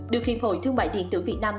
được hiệp hội thương mại điện tử việt nam